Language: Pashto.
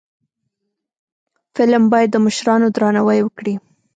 فلم باید د مشرانو درناوی وکړي